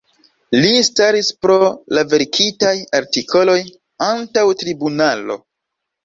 Li staris pro la verkitaj artikoloj antaŭ tribunalo.